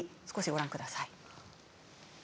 少しご覧ください。